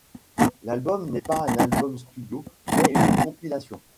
L'album n'est pas un album studio mais une compilation.